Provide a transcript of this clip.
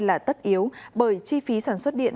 là tất yếu bởi chi phí sản xuất điện